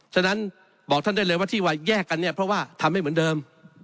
ฉะนั้นบอกท่านได้เลยว่าที่ว่าแยกกันเนี่ยเพราะว่าทำให้เหมือนเดิม